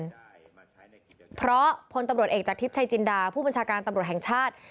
เพราะพลตำรวจเอกจากทริปชัยจินดาผู้บัญชาการตำรวจแห่งชาติ